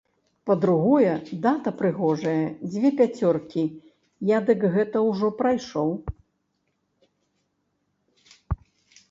Па-другое, дата прыгожая, дзве пяцёркі, я дык гэта ўжо прайшоў.